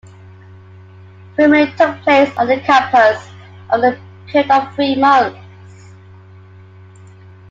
Filming took place on the campus over a period of three months.